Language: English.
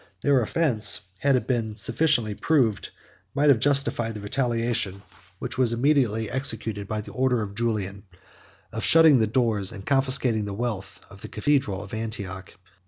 114 Their offence, had it been sufficiently proved, might have justified the retaliation, which was immediately executed by the order of Julian, of shutting the doors, and confiscating the wealth, of the cathedral of Antioch.